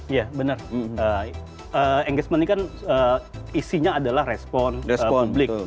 iya benar engagement ini kan isinya adalah respon publik